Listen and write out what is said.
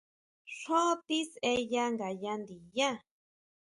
Xjó tisʼeya ngayá ndiyá.